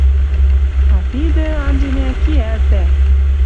А тидӹ, анжемӓ, киӓлтӓ